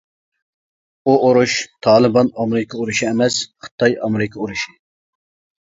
ئۇ ئۇرۇش تالىبان ئامېرىكا ئۇرۇشى ئەمەس، خىتاي ئامېرىكا ئۇرۇش.